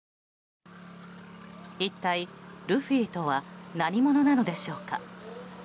一体ルフィとは何者なのでしょうか。